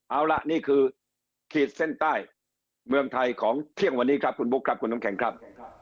เอาล่ะนี่คือขีดเส้นใต้เมืองไทยของเที่ยงวันนี้ครับคุณบุ๊คครับคุณน้ำแข็งครับ